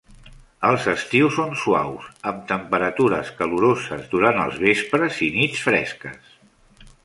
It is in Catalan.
Els estius són suaus, amb temperatures caloroses durant els vespres i nits fresques.